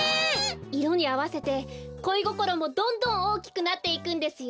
いろにあわせてこいごころもどんどんおおきくなっていくんですよ。